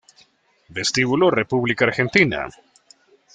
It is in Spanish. Vestíbulo República Argentina